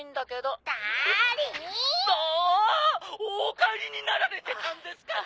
お帰りになられてたんですか！？